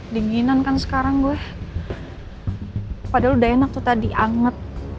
dinginan kan sekarang gue padahal udah enak tuh tadi anget